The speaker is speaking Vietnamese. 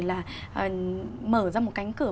là mở ra một cánh cửa